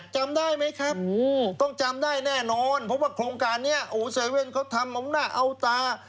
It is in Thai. จำได้ไหมครับต้องจำได้แน่นอนเพราะว่าโครงการนี้โอ้เซเว่นเขาทำเอาหน้าเอาตา